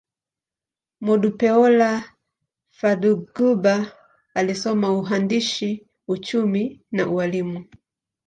Modupeola Fadugba alisoma uhandisi, uchumi, na ualimu.